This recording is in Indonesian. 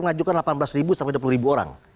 mengajukan delapan belas ribu sampai dua puluh ribu orang